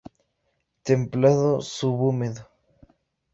Templado Subhúmedo.